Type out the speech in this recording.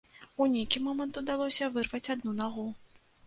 У нейкі момант удалося вырваць адну нагу.